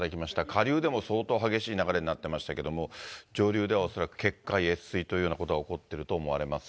下流でも相当激しい流れになっていましたけれども、上流では恐らく決壊、越水というようなことが起こっていると思われます。